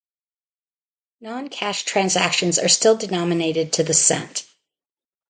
Non-cash transactions are still denominated to the cent.